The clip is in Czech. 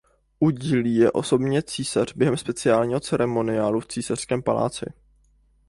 Udílí je osobně císař během speciálního ceremoniálu v Císařském paláci.